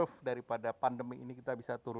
tetapi curve daripada pandemi ini kita bisa tunggu